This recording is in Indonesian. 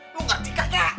lu ngerti kakak